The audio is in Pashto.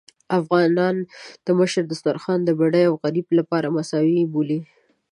افغانان د مشر دسترخوان د بډای او غريب لپاره مساوات بولي.